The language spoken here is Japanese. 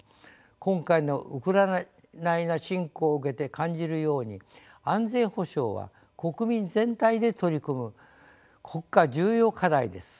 今回のウクライナ侵攻を受けて感じるように安全保障は国民全体で取り組む国家重要課題です。